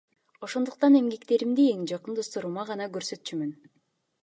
Ошондуктан эмгектеримди эң жакын досторума гана көрсөтчүмүн.